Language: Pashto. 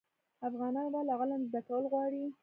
افغانان ولې علم زده کول غواړي؟